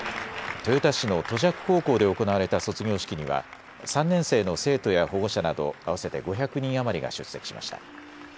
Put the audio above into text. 豊田市の杜若高校で行われた卒業式には３年生の生徒や保護者など合わせて５００人余りが出席しました。